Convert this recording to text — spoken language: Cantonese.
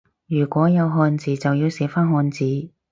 如果有漢字就要寫返漢字